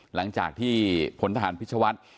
หลังจากที่พลทหารพิชวัฒน์